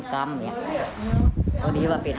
เจอดิบ่ห่อนได้ห่อนเปิด